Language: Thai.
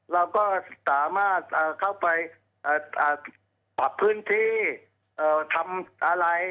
เราก็สามารถเข้าไปปรับพื้นที่ทำอะไร